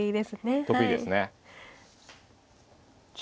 得意ですねはい。